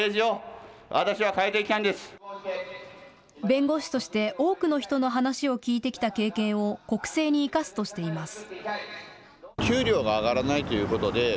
弁護士として多くの人の話を聞いてきた経験を国政に生かすとしています。